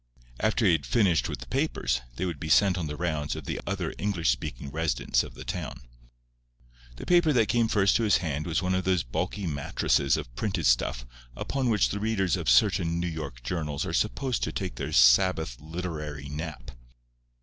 After he had finished with the papers they would be sent on the rounds of the other English speaking residents of the town. The paper that came first to his hand was one of those bulky mattresses of printed stuff upon which the readers of certain New York journals are supposed to take their Sabbath literary nap.